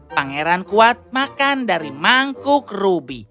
pangeran kuat makan dari mangkuk rubi